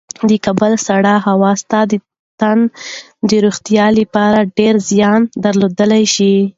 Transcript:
د کابل سړې هوا ستا د تن د روغتیا لپاره ډېر زیان درلودلی شي.